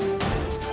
pertama data sembilan